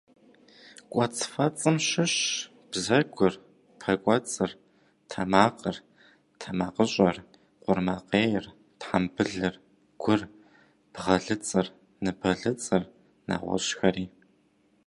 Кӏуэцӏфэцӏым щыщщ бзэгур, пэ кӏуэцӏыр, тэмакъыр, тэмакъыщӏэр, къурмакъейр, тхьэмбылыр, гур, бгъэлыцӏыр, ныбэлыцӏыр, нэгъуэщӏхэри.